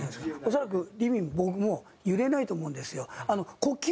恐らくりみも僕も揺れないと思うんですよ。